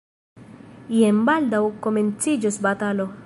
Jen baldaŭ komenciĝos batalo.